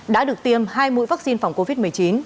đã được tiêm hai mũi vaccine phòng covid một mươi chín